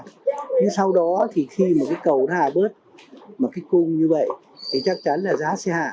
thế sau đó thì khi mà cái cầu nó hạ bớt một cái cung như vậy thì chắc chắn là giá sẽ hạ